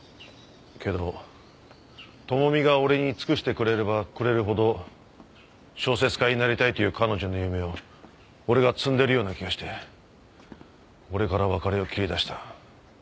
けど智美が俺に尽くしてくれればくれるほど小説家になりたいという彼女の夢を俺が摘んでるような気がして俺から別れを切り出した。